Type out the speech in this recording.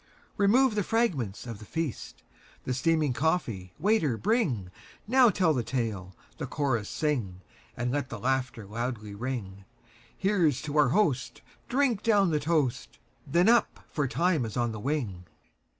Remove the fragments of the feast! The steaming coffee, waiter, bringNow tell the tale, the chorus sing, And let the laughter loudly ring; Here 's to our host, drink down the toast, Then up! for time is on the wing.